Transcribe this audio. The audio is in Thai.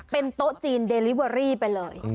เป็นโต๊ะจีนเดลิเวอรี่ไปเลย